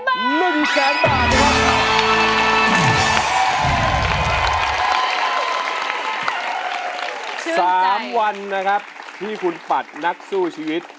สามวันนะครับที่คุณปัดนักสู้ชีวิต